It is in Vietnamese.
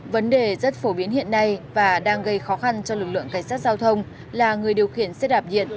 vấn đề rất phổ biến hiện nay và đang gây khó khăn cho lực lượng cảnh sát giao thông là người điều khiển xe đạp điện